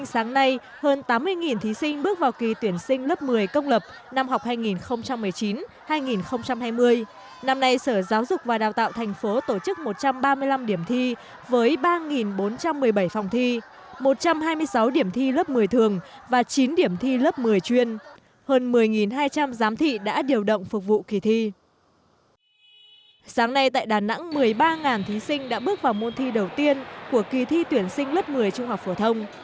sáng nay tại đà nẵng một mươi ba thí sinh đã bước vào môn thi đầu tiên của kỳ thi tuyển sinh lớp một mươi trung học phổ thông